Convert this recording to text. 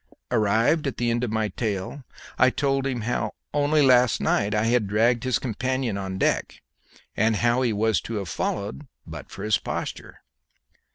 Arrived at the end of my tale, I told him how only last night I had dragged his companion on deck, and how he was to have followed but for his posture.